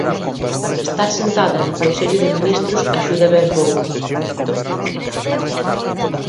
Estar sentada no Consello de Ministros axuda ben pouco.